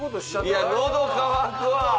いやのど渇くわ。